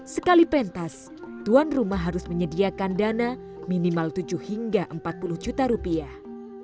sekali pentas tuan rumah harus menyediakan dana minimal tujuh hingga empat puluh juta rupiah